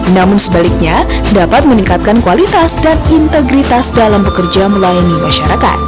namun sebaliknya dapat meningkatkan kualitas dan integritas dalam bekerja melayani masyarakat